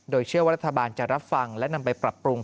โดยเชื่อว่ารัฐบาลจะรับฟังและนำไปปรับปรุง